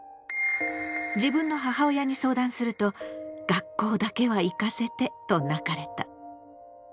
自分の母親に相談すると「学校だけは行かせて」と泣かれた。